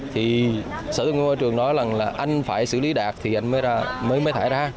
thì sở tương ương hội trường nói là anh phải xử lý đạt thì anh mới thải ra